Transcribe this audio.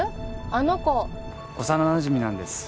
あの子幼なじみなんです